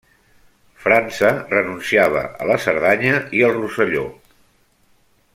França renunciava a la Cerdanya i el Rosselló.